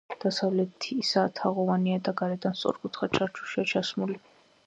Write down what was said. დასავლეთისა თაღოვანია და გარედან სწორკუთხა ჩარჩოშია ჩასმული.